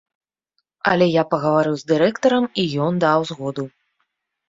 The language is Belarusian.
Але я пагаварыў з дырэктарам і ён даў згоду.